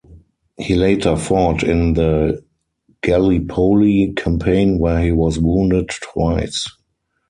He later fought in the Gallipoli campaign where he was wounded twice.